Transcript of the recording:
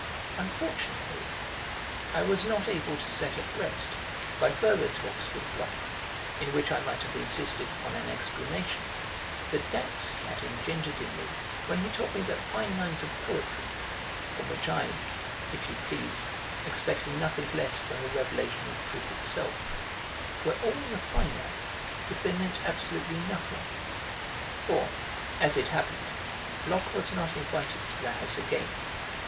Unfortunately I was not able to set at rest, by further talks with Bloch, in which I might have insisted upon an explanation, the doubts he had engendered in me when he told me that fine lines of poetry (from which I, if you please, expected nothing less than the revelation of truth itself) were all the finer if they meant absolutely nothing. For, as it happened, Bloch was not invited to the house again.